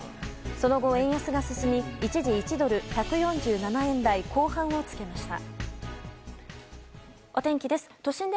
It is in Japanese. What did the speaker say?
その後、円安が進み一時、１ドル＝１４７円台後半をつけました。